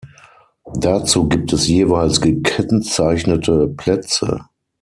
Dazu gibt es jeweils gekennzeichnete Plätze.